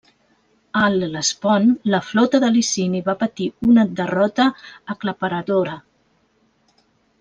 A l'Hel·lespont la flota de Licini va patir una derrota aclaparadora.